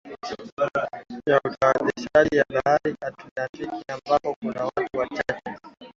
ya utiririshaji ya Bahari Aktiki ambako kuna watu wachache